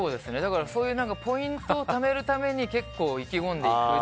そういうポイントをためるために結構、意気込んで行く。